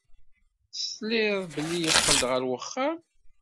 Tesliḍ belli yeqqel-d ɣer wexxam?